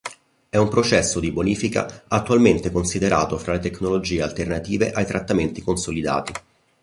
È un processo di bonifica attualmente considerato fra le tecnologie alternative ai trattamenti consolidati.